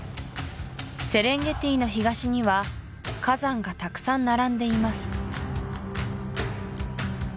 セレンゲティの東には火山がたくさん並んでいます